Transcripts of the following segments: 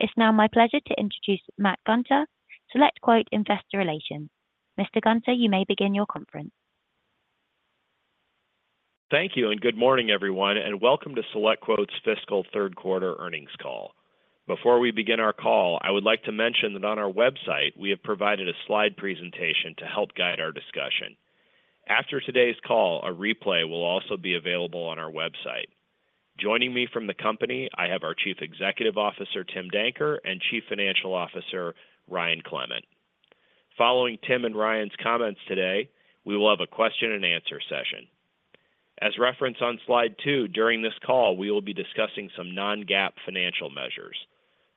It's now my pleasure to introduce Matt Gunter, SelectQuote Investor Relations. Mr. Gunter, you may begin your conference. Thank you, and good morning everyone, and welcome to SelectQuote's fiscal Q3 earnings call. Before we begin our call, I would like to mention that on our website we have provided a slide presentation to help guide our discussion. After today's call, a replay will also be available on our website. Joining me from the company, I have our Chief Executive Officer Tim Danker and Chief Financial Officer Ryan Clement. Following Tim and Ryan's comments today, we will have a question and answer session. As referenced on slide two, during this call we will be discussing some non-GAAP financial measures.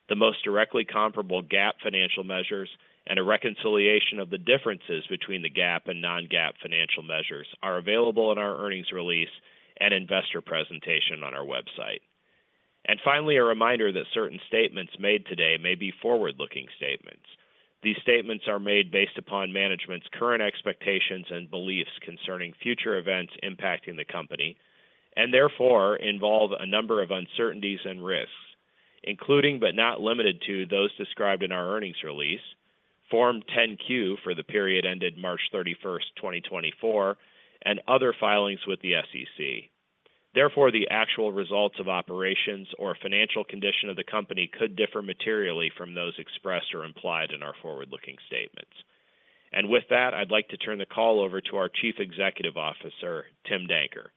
The most directly comparable GAAP financial measures and a reconciliation of the differences between the GAAP and non-GAAP financial measures are available in our earnings release and investor presentation on our website. Finally, a reminder that certain statements made today may be forward-looking statements. These statements are made based upon management's current expectations and beliefs concerning future events impacting the company and therefore involve a number of uncertainties and risks, including but not limited to those described in our earnings release, Form 10-Q for the period ended March 31, 2024, and other filings with the SEC. Therefore, the actual results of operations or financial condition of the company could differ materially from those expressed or implied in our forward-looking statements. With that, I'd like to turn the call over to our Chief Executive Officer Tim Danker.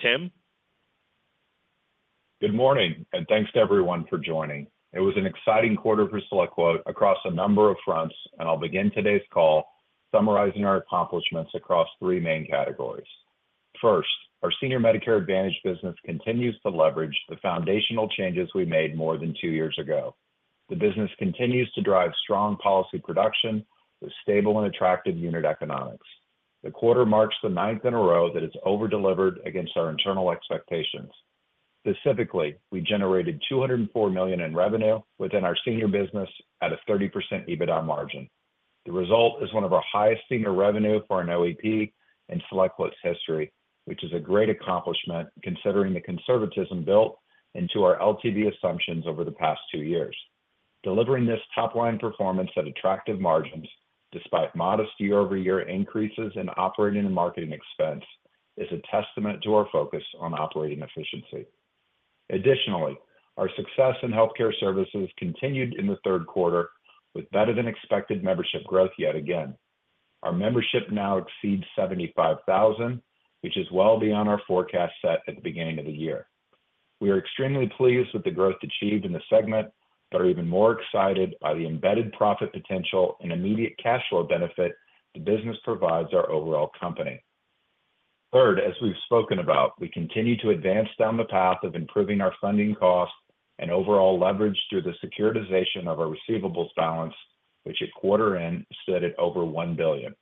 Tim? Good morning and thanks to everyone for joining. It was an exciting quarter for SelectQuote across a number of fronts, and I'll begin today's call summarizing our accomplishments across three main categories. First, our senior Medicare Advantage business continues to leverage the foundational changes we made more than two years ago. The business continues to drive strong policy production with stable and attractive unit economics. The quarter marks the ninth in a row that it's overdelivered against our internal expectations. Specifically, we generated $204 million in revenue within our senior business at a 30% EBITDA margin. The result is one of our highest senior revenue for an OEP in SelectQuote's history, which is a great accomplishment considering the conservatism built into our LTV assumptions over the past two years. Delivering this top-line performance at attractive margins despite modest year-over-year increases in operating and marketing expense is a testament to our focus on operating efficiency. Additionally, our success in Healthcare Services continued in the Q3 with better-than-expected membership growth yet again. Our membership now exceeds 75,000, which is well beyond our forecast set at the beginning of the year. We are extremely pleased with the growth achieved in the segment but are even more excited by the embedded profit potential and immediate cash flow benefit the business provides our overall company. Third, as we've spoken about, we continue to advance down the path of improving our funding cost and overall leverage through the securitization of our receivables balance, which a quarter in stood at over $1 billion.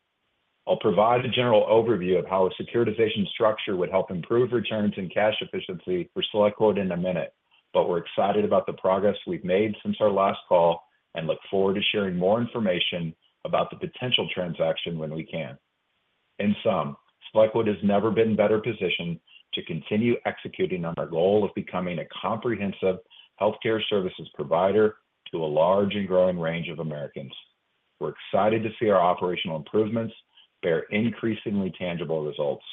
I'll provide a general overview of how a securitization structure would help improve returns and cash efficiency for SelectQuote in a minute, but we're excited about the progress we've made since our last call and look forward to sharing more information about the potential transaction when we can. In sum, SelectQuote has never been in a better position to continue executing on our goal of becoming a comprehensive healthcare services provider to a large and growing range of Americans. We're excited to see our operational improvements bear increasingly tangible results.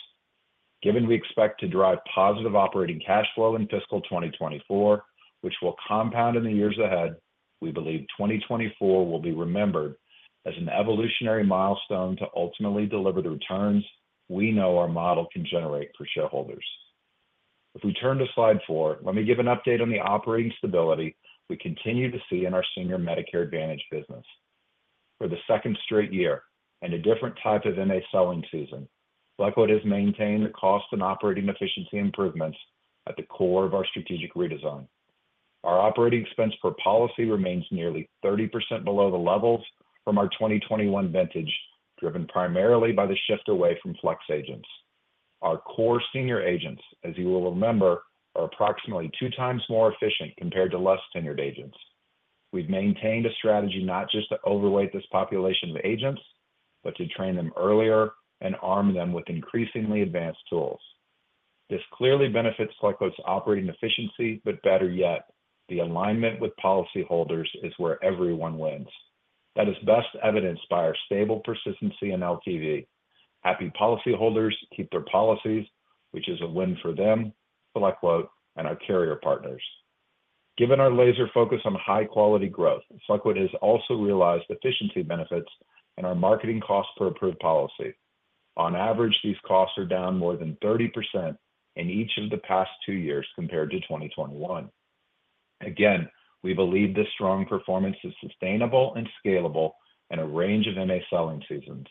Given we expect to drive positive operating cash flow in fiscal 2024, which will compound in the years ahead, we believe 2024 will be remembered as an evolutionary milestone to ultimately deliver the returns we know our model can generate for shareholders. If we turn to slide 4, let me give an update on the operating stability we continue to see in our senior Medicare Advantage business. For the second straight year and a different type of MA selling season, SelectQuote has maintained the cost and operating efficiency improvements at the core of our strategic redesign. Our operating expense per policy remains nearly 30% below the levels from our 2021 vintage, driven primarily by the shift away from flex agents. Our core senior agents, as you will remember, are approximately 2x more efficient compared to less tenured agents. We've maintained a strategy not just to overweight this population of agents but to train them earlier and arm them with increasingly advanced tools. This clearly benefits SelectQuote's operating efficiency, but better yet, the alignment with policyholders is where everyone wins. That is best evidenced by our stable persistency in LTV. Happy policyholders keep their policies, which is a win for them, SelectQuote, and our carrier partners. Given our laser focus on high-quality growth, SelectQuote has also realized efficiency benefits in our marketing cost per approved policy. On average, these costs are down more than 30% in each of the past two years compared to 2021. Again, we believe this strong performance is sustainable and scalable in a range of MA selling seasons,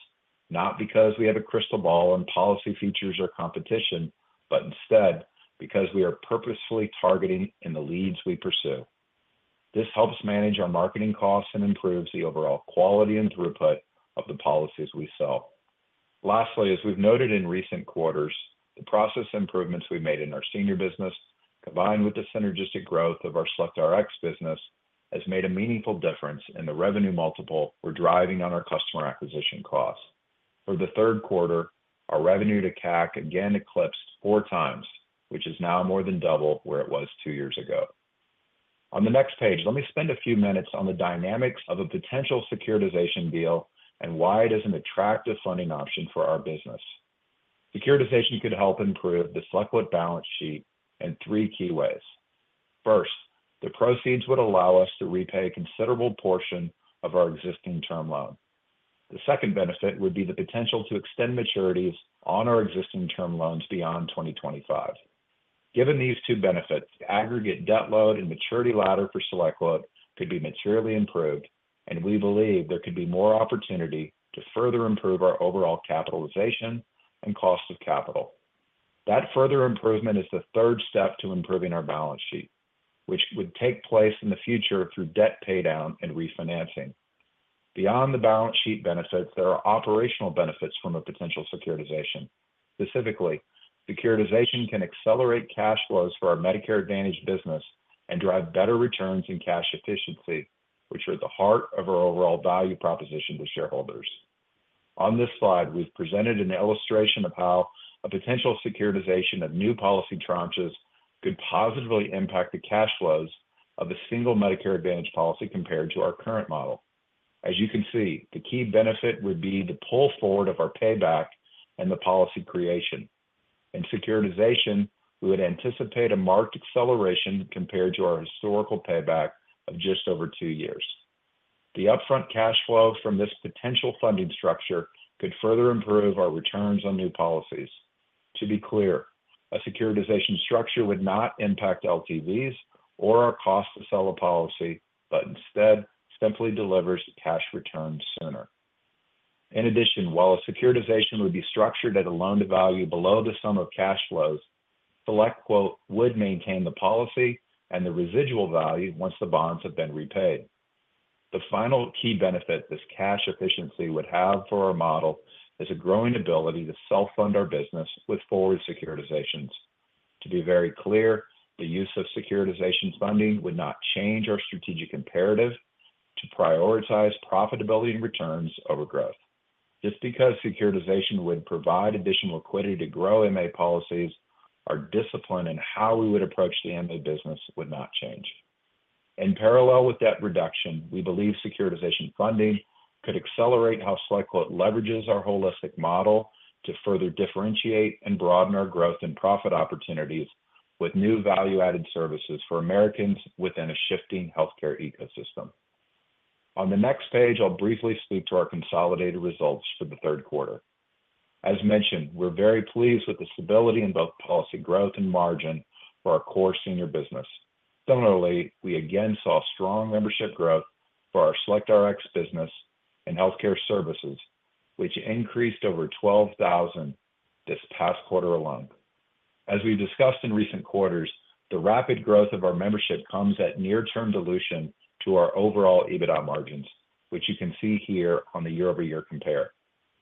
not because we have a crystal ball on policy features or competition, but instead because we are purposefully targeting in the leads we pursue. This helps manage our marketing costs and improves the overall quality and throughput of the policies we sell. Lastly, as we've noted in recent quarters, the process improvements we made in our senior business, combined with the synergistic growth of our SelectRx business, has made a meaningful difference in the revenue multiple we're driving on our customer acquisition costs. For the Q3, our revenue to CAC again eclipsed 4x, which is now more than double where it was two years ago. On the next page, let me spend a few minutes on the dynamics of a potential securitization deal and why it is an attractive funding option for our business. Securitization could help improve the SelectQuote balance sheet in three key ways. First, the proceeds would allow us to repay a considerable portion of our existing term loan. The second benefit would be the potential to extend maturities on our existing term loans beyond 2025. Given these two benefits, the aggregate debt load and maturity ladder for SelectQuote could be materially improved, and we believe there could be more opportunity to further improve our overall capitalization and cost of capital. That further improvement is the third step to improving our balance sheet, which would take place in the future through debt paydown and refinancing. Beyond the balance sheet benefits, there are operational benefits from a potential securitization. Specifically, securitization can accelerate cash flows for our Medicare Advantage business and drive better returns and cash efficiency, which are at the heart of our overall value proposition to shareholders. On this slide, we've presented an illustration of how a potential securitization of new policy tranches could positively impact the cash flows of a single Medicare Advantage policy compared to our current model. As you can see, the key benefit would be the pull forward of our payback and the policy creation. In securitization, we would anticipate a marked acceleration compared to our historical payback of just over two years. The upfront cash flow from this potential funding structure could further improve our returns on new policies. To be clear, a securitization structure would not impact LTVs or our cost to sell a policy, but instead simply delivers cash returns sooner. In addition, while a securitization would be structured at a loan-to-value below the sum of cash flows, SelectQuote would maintain the policy and the residual value once the bonds have been repaid. The final key benefit this cash efficiency would have for our model is a growing ability to self-fund our business with forward securitizations. To be very clear, the use of securitization funding would not change our strategic imperative to prioritize profitability and returns over growth. Just because securitization would provide additional liquidity to grow MA policies, our discipline in how we would approach the MA business would not change. In parallel with debt reduction, we believe securitization funding could accelerate how SelectQuote leverages our holistic model to further differentiate and broaden our growth and profit opportunities with new value-added services for Americans within a shifting healthcare ecosystem. On the next page, I'll briefly speak to our consolidated results for the Q3. As mentioned, we're very pleased with the stability in both policy growth and margin for our core senior business. Similarly, we again saw strong membership growth for our SelectRx business in healthcare services, which increased over 12,000 this past quarter alone. As we've discussed in recent quarters, the rapid growth of our membership comes at near-term dilution to our overall EBITDA margins, which you can see here on the year-over-year compare.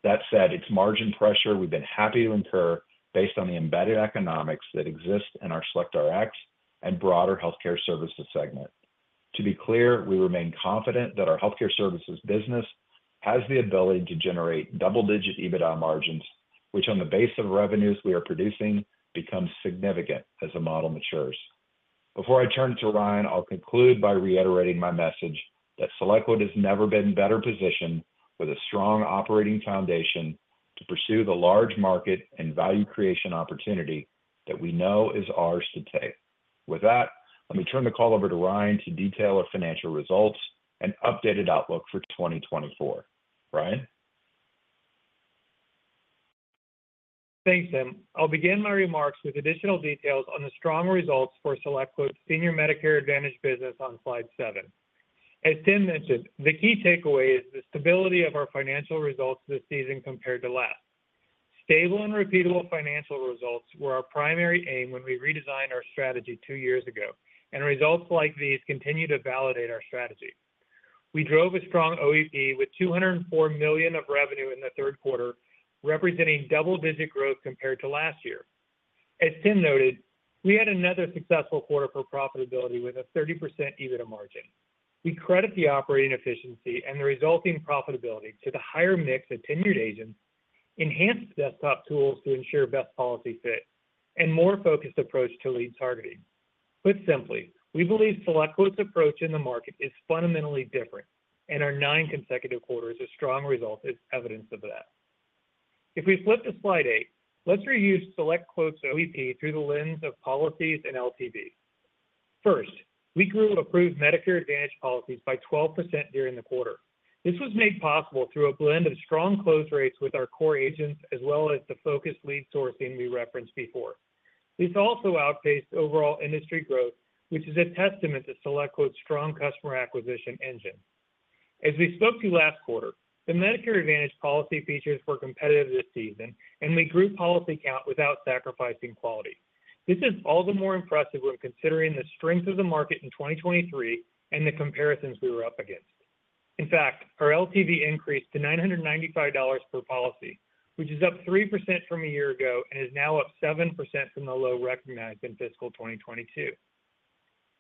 That said, it's margin pressure we've been happy to incur based on the embedded economics that exist in our SelectRx and broader healthcare services segment. To be clear, we remain confident that our healthcare services business has the ability to generate double-digit EBITDA margins, which on the base of revenues we are producing becomes significant as the model matures. Before I turn to Ryan, I'll conclude by reiterating my message that SelectQuote has never been in a better position with a strong operating foundation to pursue the large market and value creation opportunity that we know is ours to take. With that, let me turn the call over to Ryan to detail our financial results and updated outlook for 2024. Ryan? Thanks, Tim. I'll begin my remarks with additional details on the strong results for SelectQuote's senior Medicare Advantage business on slide seven. As Tim mentioned, the key takeaway is the stability of our financial results this season compared to last. Stable and repeatable financial results were our primary aim when we redesigned our strategy two years ago, and results like these continue to validate our strategy. We drove a strong OEP with $204 million of revenue in the Q3, representing double-digit growth compared to last year. As Tim noted, we had another successful quarter for profitability with a 30% EBITDA margin. We credit the operating efficiency and the resulting profitability to the higher mix of tenured agents, enhanced desktop tools to ensure best policy fit, and a more focused approach to lead targeting. Put simply, we believe SelectQuote's approach in the market is fundamentally different, and our nine consecutive quarters' strong results are evidence of that. If we flip to slide eight, let's reuse SelectQuote's OEP through the lens of policies and LTV. First, we grew approved Medicare Advantage policies by 12% during the quarter. This was made possible through a blend of strong close rates with our core agents as well as the focused lead sourcing we referenced before. This also outpaced overall industry growth, which is a testament to SelectQuote's strong customer acquisition engine. As we spoke to last quarter, the Medicare Advantage policy features were competitive this season, and we grew policy count without sacrificing quality. This is all the more impressive when considering the strength of the market in 2023 and the comparisons we were up against. In fact, our LTV increased to $995 per policy, which is up 3% from a year ago and is now up 7% from the low recognized in fiscal 2022.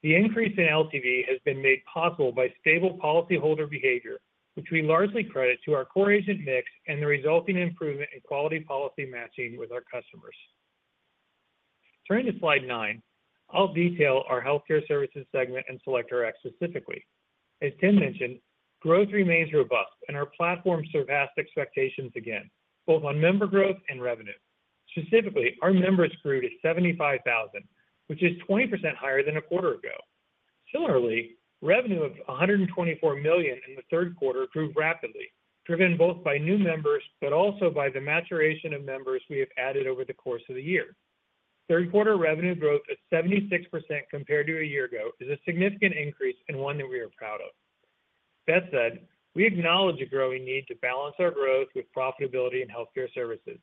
The increase in LTV has been made possible by stable policyholder behavior, which we largely credit to our core agent mix and the resulting improvement in quality policy matching with our customers. Turning to slide nine, I'll detail our healthcare services segment and SelectRx specifically. As Tim mentioned, growth remains robust, and our platform surpassed expectations again, both on member growth and revenue. Specifically, our members grew to 75,000, which is 20% higher than a quarter ago. Similarly, revenue of $124 million in the Q3 grew rapidly, driven both by new members but also by the maturation of members we have added over the course of the year. Third-quarter revenue growth of 76% compared to a year ago is a significant increase and one that we are proud of. That said, we acknowledge a growing need to balance our growth with profitability in healthcare services.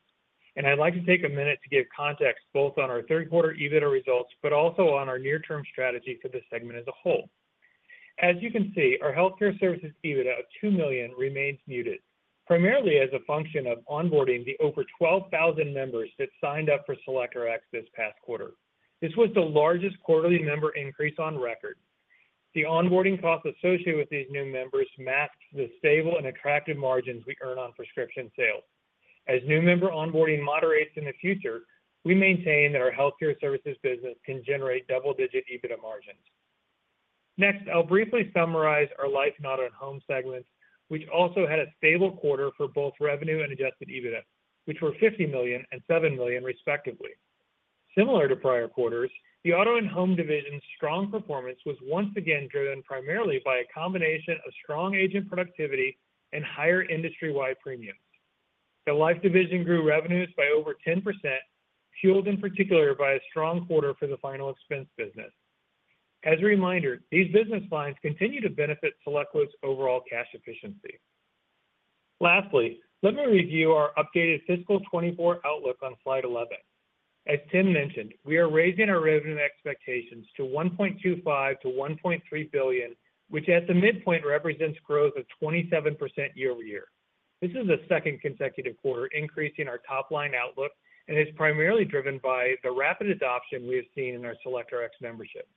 I'd like to take a minute to give context both on our third-quarter EBITDA results but also on our near-term strategy for this segment as a whole. As you can see, our healthcare services EBITDA of $2 million remains muted, primarily as a function of onboarding the over 12,000 members that signed up for SelectRx this past quarter. This was the largest quarterly member increase on record. The onboarding costs associated with these new members masked the stable and attractive margins we earn on prescription sales. As new member onboarding moderates in the future, we maintain that our healthcare services business can generate double-digit EBITDA margins. Next, I'll briefly summarize our Life, Auto and Home segments, which also had a stable quarter for both revenue and adjusted EBITDA, which were $50 million and $7 million, respectively. Similar to prior quarters, the Auto and Home division's strong performance was once again driven primarily by a combination of strong agent productivity and higher industry-wide premiums. The Life Division grew revenues by over 10%, fueled in particular by a strong quarter for the Final Expense business. As a reminder, these business lines continue to benefit SelectQuote's overall cash efficiency. Lastly, let me review our updated fiscal 2024 outlook on slide 11. As Tim mentioned, we are raising our revenue expectations to $1.25-1.3 billion, which at the midpoint represents growth of 27% year-over-year. This is the second consecutive quarter increasing our top-line outlook and is primarily driven by the rapid adoption we have seen in our SelectRx membership.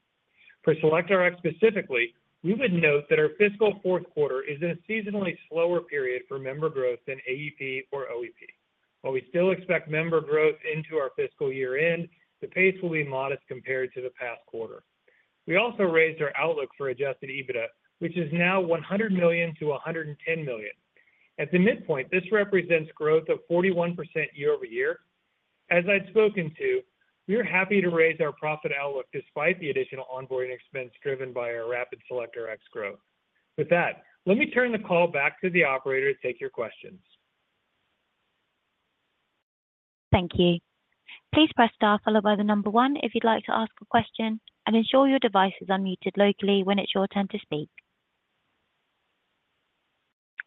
For SelectRx specifically, we would note that our fiscal Q4 is in a seasonally slower period for member growth than AEP or OEP. While we still expect member growth into our fiscal year-end, the pace will be modest compared to the past quarter. We also raised our outlook for Adjusted EBITDA, which is now $100 million-$110 million. At the midpoint, this represents growth of 41% year-over-year. As I'd spoken to, we are happy to raise our profit outlook despite the additional onboarding expense driven by our rapid SelectRx growth. With that, let me turn the call back to the operator to take your questions. Thank you. Please press star followed by the number one if you'd like to ask a question, and ensure your device is unmuted locally when it's your turn to speak.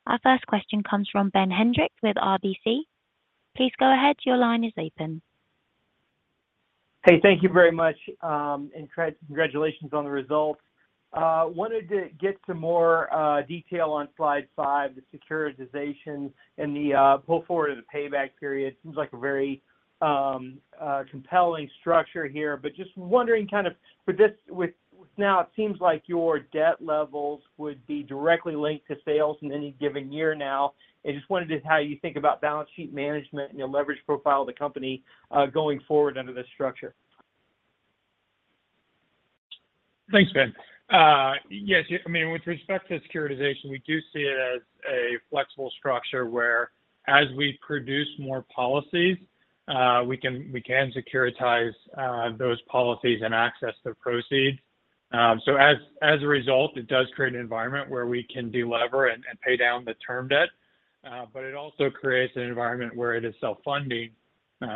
Our first question comes from Ben Hendrix with RBC. Please go ahead. Your line is open. Hey, thank you very much. Congratulations on the results. Wanted to get some more detail on slide five, the securitization and the pull forward of the payback period. Seems like a very compelling structure here. But just wondering kind of with this now, it seems like your debt levels would be directly linked to sales in any given year now. And just wondered how you think about balance sheet management and your leverage profile of the company going forward under this structure. Thanks, Ben. Yes. I mean, with respect to securitization, we do see it as a flexible structure where as we produce more policies, we can securitize those policies and access the proceeds. So as a result, it does create an environment where we can de-lever and pay down the term debt. But it also creates an environment where it is self-funding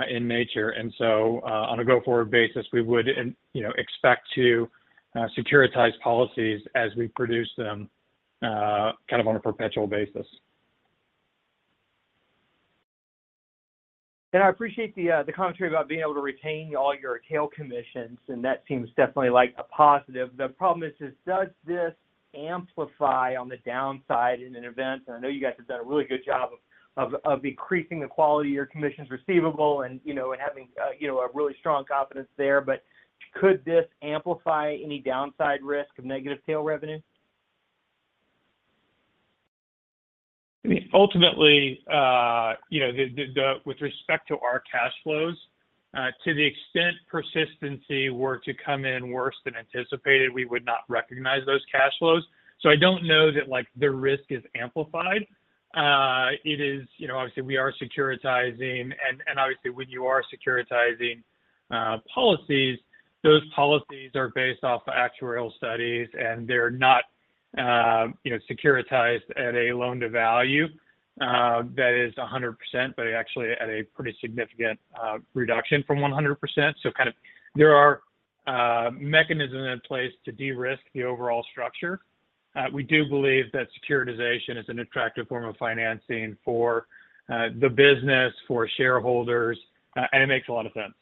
in nature. And so on a go-forward basis, we would expect to securitize policies as we produce them kind of on a perpetual basis. And I appreciate the commentary about being able to retain all your tail commissions, and that seems definitely a positive. The problem is, does this amplify on the downside in an event? And I know you guys have done a really good job of increasing the quality of your commissions receivable and having a really strong confidence there. But could this amplify any downside risk of negative tail revenue? I mean, ultimately, with respect to our cash flows, to the extent persistency were to come in worse than anticipated, we would not recognize those cash flows. So I don't know that the risk is amplified. Obviously, we are securitizing. And obviously, when you are securitizing policies, those policies are based off actuarial studies, and they're not securitized at a loaned value that is 100%, but actually at a pretty significant reduction from 100%. So kind of there are mechanisms in place to de-risk the overall structure. We do believe that securitization is an attractive form of financing for the business, for shareholders, and it makes a lot of sense.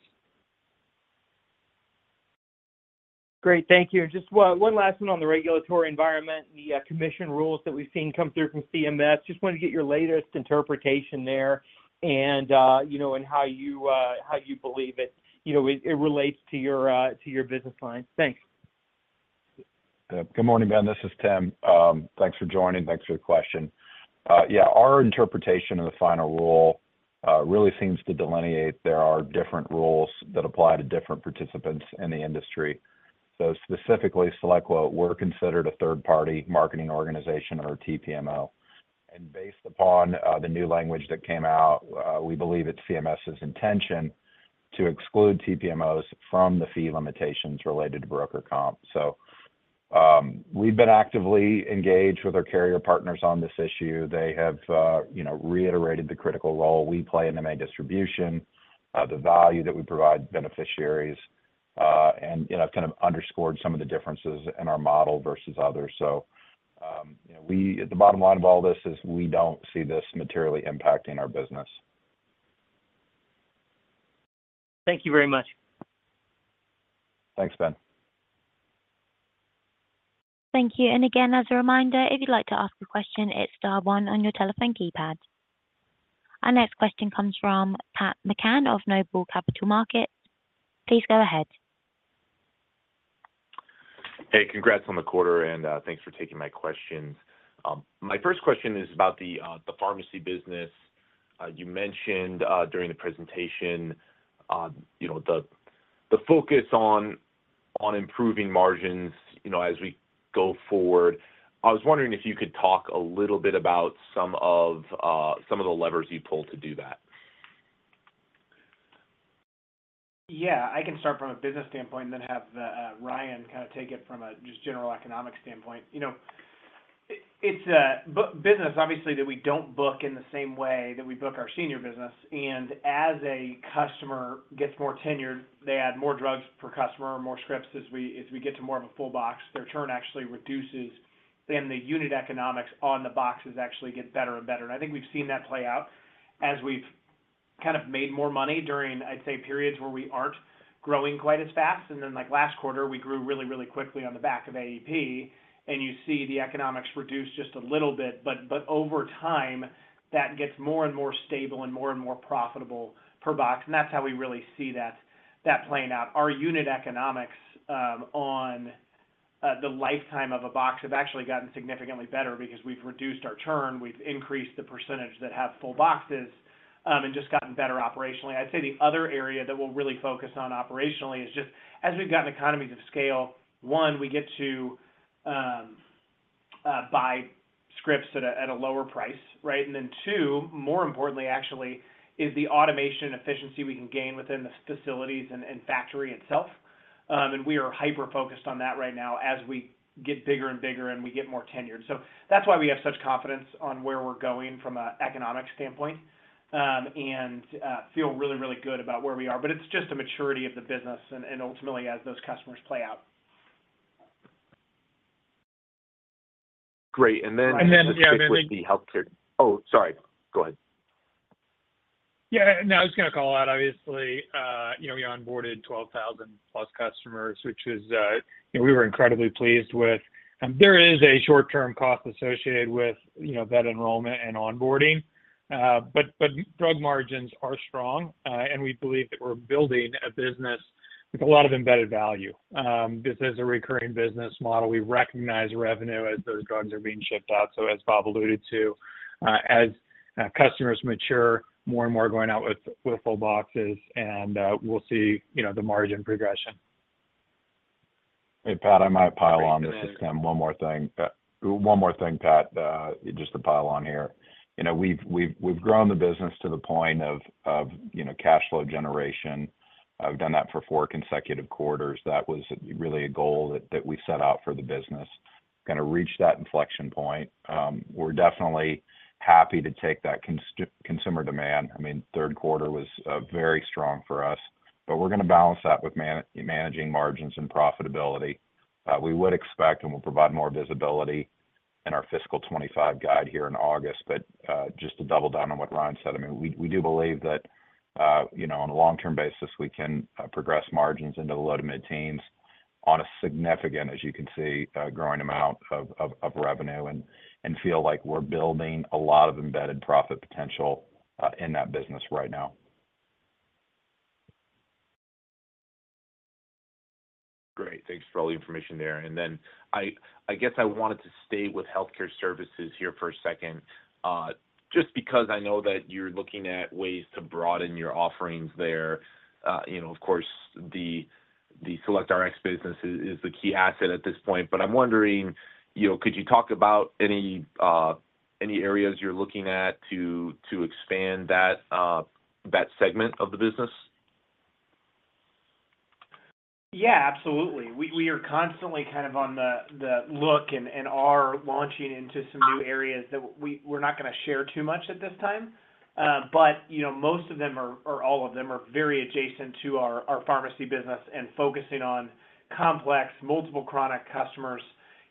Great. Thank you. Just one last one on the regulatory environment, the commission rules that we've seen come through from CMS. Just wanted to get your latest interpretation there and how you believe it relates to your business lines. Thanks. Good morning, Ben. This is Tim. Thanks for joining. Thanks for the question. Yeah, our interpretation of the final rule really seems to delineate there are different rules that apply to different participants in the industry. So specifically, SelectQuote, we're considered a third-party marketing organization, or a TPMO. And based upon the new language that came out, we believe it's CMS's intention to exclude TPMOs from the fee limitations related to broker comp. So we've been actively engaged with our carrier partners on this issue. They have reiterated the critical role we play in MA Distribution, the value that we provide beneficiaries, and kind of underscored some of the differences in our model versus others. So the bottom line of all this is we don't see this materially impacting our business. Thank you very much. Thanks, Ben. Thank you. And again, as a reminder, if you'd like to ask a question, it's star 1 on your telephone keypad. Our next question comes from Pat McCann of Noble Capital Markets. Please go ahead. Hey, congrats on the quarter, and thanks for taking my questions. My first question is about the pharmacy business. You mentioned during the presentation the focus on improving margins as we go forward. I was wondering if you could talk a little bit about some of the levers you pull to do that? Yeah. I can start from a business standpoint and then have Ryan kind of take it from a just general economic standpoint. It's a business, obviously, that we don't book in the same way that we book our senior business. As a customer gets more tenured, they add more drugs per customer or more scripts. As we get to more of a full box, their turn actually reduces, and the unit economics on the boxes actually get better and better. I think we've seen that play out as we've kind of made more money during, I'd say, periods where we aren't growing quite as fast. Then last quarter, we grew really, really quickly on the back of AEP, and you see the economics reduce just a little bit. But over time, that gets more and more stable and more and more profitable per box. And that's how we really see that playing out. Our unit economics on the lifetime of a box have actually gotten significantly better because we've reduced our turn. We've increased the percentage that have full boxes and just gotten better operationally. I'd say the other area that we'll really focus on operationally is just as we've gotten economies of scale, one, we get to buy scripts at a lower price, right? And then two, more importantly, actually, is the automation efficiency we can gain within the facilities and factory itself. And we are hyper-focused on that right now as we get bigger and bigger and we get more tenured. So that's why we have such confidence on where we're going from an economic standpoint and feel really, really good about where we are. But it's just a maturity of the business and ultimately as those customers play out. Great. And then just to stick with the healthcare, oh, sorry. Go ahead. Yeah. No, I was going to call out, obviously, we onboarded 12,000+ customers, we were incredibly pleased with. There is a short-term cost associated with that enrollment and onboarding, but drug margins are strong. And we believe that we're building a business with a lot of embedded value. This is a recurring business model. We recognize revenue as those drugs are being shipped out. So as Bob alluded to, as customers mature, more and more going out with full boxes, and we'll see the margin progression. Hey, Pat, I might pile on. This is Tim. One more thing. One more thing, Pat, just to pile on here. We've grown the business to the point of cash flow generation. We've done that for four consecutive quarters. That was really a goal that we set out for the business, kind of reach that inflection point. We're definitely happy to take that consumer demand. I mean, Q3 was very strong for us, but we're going to balance that with managing margins and profitability. We would expect, and we'll provide more visibility in our fiscal 2025 guide here in August. But just to double down on what Ryan said, I mean, we do believe that on a long-term basis, we can progress margins into the low to mid-teens on a significant, as you can see, growing amount of revenue and feel like we're building a lot of embedded profit potential in that business right now. Great. Thanks for all the information there. Then I guess I wanted to stay with healthcare services here for a second just because I know that you're looking at ways to broaden your offerings there. Of course, the SelectRx business is the key asset at this point. I'm wondering, could you talk about any areas you're looking at to expand that segment of the business? Yeah, absolutely. We are constantly kind of on the lookout and are launching into some new areas that we're not going to share too much at this time. But most of them, or all of them, are very adjacent to our pharmacy business and focusing on complex, multiple chronic customers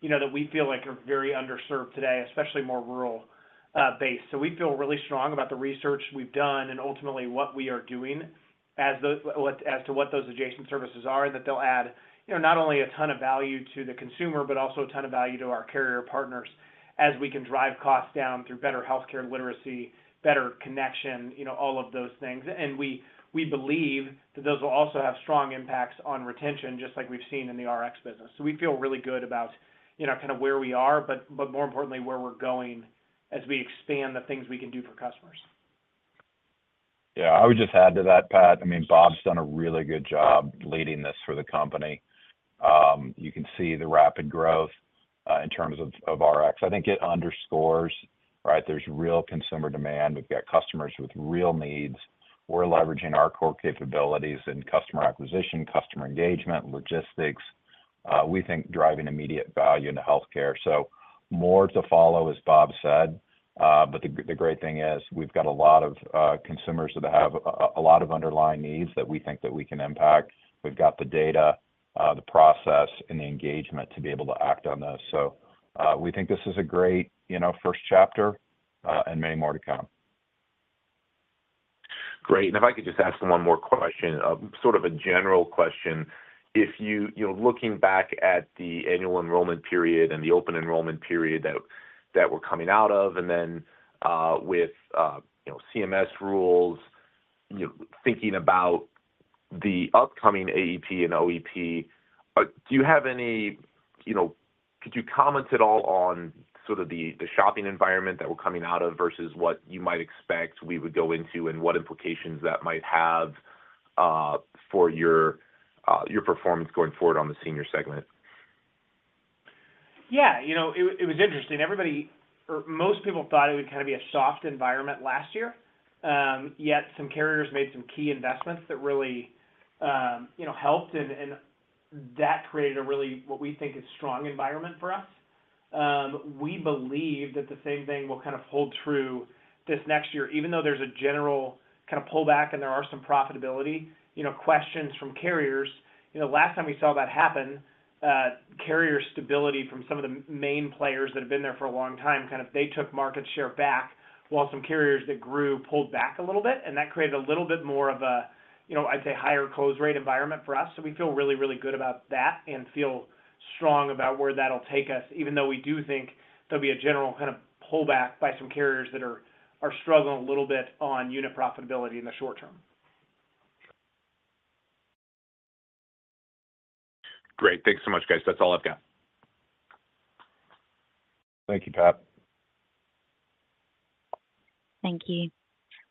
that we feel like are very underserved today, especially more rural-based. So we feel really strong about the research we've done and ultimately what we are doing as to what those adjacent services are that they'll add not only a ton of value to the consumer but also a ton of value to our carrier partners as we can drive costs down through better healthcare literacy, better connection, all of those things. And we believe that those will also have strong impacts on retention just like we've seen in the RX business. We feel really good about kind of where we are, but more importantly, where we're going as we expand the things we can do for customers. Yeah. I would just add to that, Pat. I mean, Bob's done a really good job leading this for the company. You can see the rapid growth in terms of RX. I think it underscores, right, there's real consumer demand. We've got customers with real needs. We're leveraging our core capabilities in customer acquisition, customer engagement, logistics, we think, driving immediate value into healthcare. So more to follow, as Bob said. But the great thing is we've got a lot of consumers that have a lot of underlying needs that we think that we can impact. We've got the data, the process, and the engagement to be able to act on those. So we think this is a great first chapter and many more to come. Great. And if I could just ask one more question, sort of a general question, if you're looking back at the annual enrollment period and the open enrollment period that we're coming out of, and then with CMS rules, thinking about the upcoming AEP and OEP, could you comment at all on sort of the shopping environment that we're coming out of versus what you might expect we would go into and what implications that might have for your performance going forward on the senior segment? Yeah. It was interesting. Most people thought it would kind of be a soft environment last year, yet some carriers made some key investments that really helped, and that created a really what we think is strong environment for us. We believe that the same thing will kind of hold true this next year, even though there's a general kind of pullback and there are some profitability questions from carriers. Last time we saw that happen, carrier stability from some of the main players that have been there for a long time, kind of they took market share back while some carriers that grew pulled back a little bit, and that created a little bit more of a, I'd say, higher close rate environment for us. So we feel really, really good about that and feel strong about where that'll take us, even though we do think there'll be a general kind of pullback by some carriers that are struggling a little bit on unit profitability in the short term. Great. Thanks so much, guys. That's all I've got. Thank you, Pat. Thank you.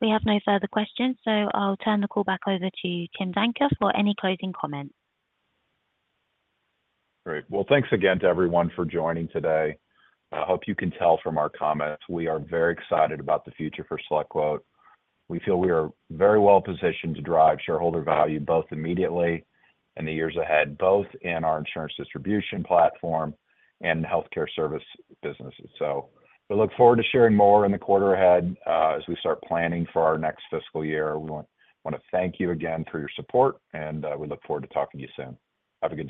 We have no further questions, so I'll turn the call back over to Tim Danker for any closing comments. Great. Well, thanks again to everyone for joining today. I hope you can tell from our comments, we are very excited about the future for SelectQuote. We feel we are very well positioned to drive shareholder value both immediately and the years ahead, both in our insurance distribution platform and healthcare service businesses. So we look forward to sharing more in the quarter ahead as we start planning for our next fiscal year. We want to thank you again for your support, and we look forward to talking to you soon. Have a good day.